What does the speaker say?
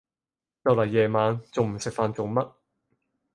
就嚟夜晚，仲唔食飯做乜？